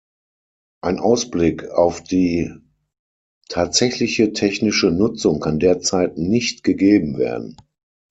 Ein Ausblick auf die tatsächliche technische Nutzung kann derzeit nicht gegeben werden.